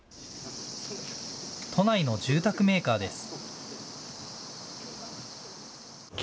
都内の住宅メーカーです。